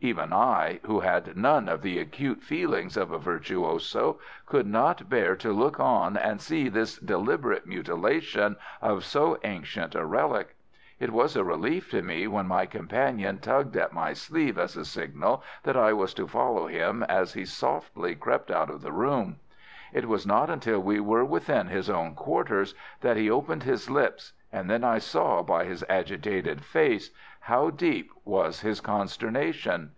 Even I, who had none of the acute feelings of a virtuoso, could not bear to look on and see this deliberate mutilation of so ancient a relic. It was a relief to me when my companion tugged at my sleeve as a signal that I was to follow him as he softly crept out of the room. It was not until we were within his own quarters that he opened his lips, and then I saw by his agitated face how deep was his consternation.